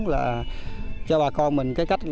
là cho bà con có thể tìm ra nguồn thức ăn từ lúa hề thu sớm